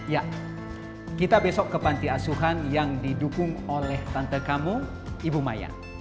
ya kita besok ke panti asuhan yang didukung oleh tante kamu ibu maya